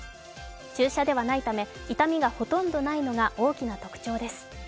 注射ではないため痛みがほとんどないのが大きな特徴です。